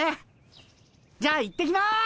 じゃあ行ってきます。